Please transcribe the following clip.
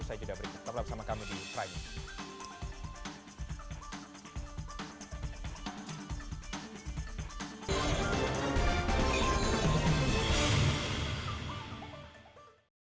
usai jodha berita sampai jumpa di primer